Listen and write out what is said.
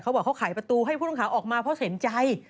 เขาบอกเขาขายประตูให้ผู้ต้องขาวออกมาเพราะเสนใจ